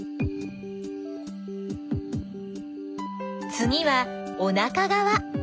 つぎはおなかがわ。